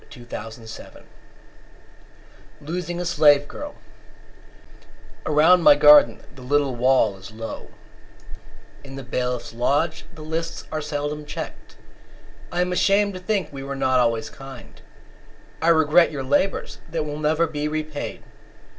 LOSING A SLAVE GIRL [Date uncertain] Around my garden the little wall is low; In the bailiff's lodge the lists are seldom checked. I am ashamed to think we were not always kind; I regret your labours, that will never be repaid.